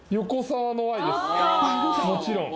もちろん。